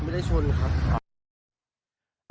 ไม่ได้ชนครับ